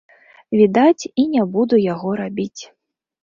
Відаць, і не буду яго рабіць.